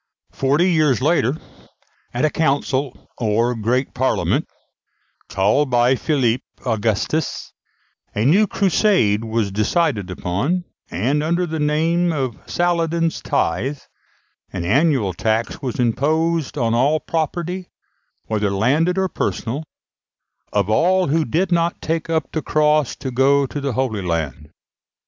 Forty years later, at a council, or great parliament, called by Philip Augustus, a new crusade was decided upon; and, under the name of Saladin's tithe, an annual tax was imposed on all property, whether landed or personal, of all who did not take up the cross to go to the Holy Land.